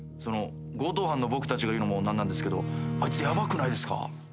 強盗犯の僕たちが言うのも何なんですけどあいつヤバくないですか？